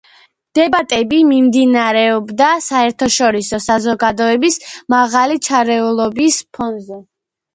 დებატები მიმდინარეობდა საერთაშორისო საზოგადოების მაღალი ჩართულობის ფონზე.